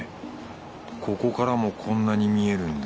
ここからもこんなに見えるんだ